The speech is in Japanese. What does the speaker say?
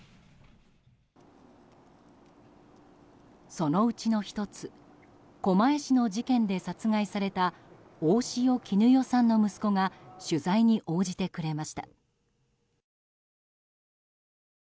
そのうちの１つ狛江市の事件で殺害された大塩衣與さんの息子が取材に応じてくれました。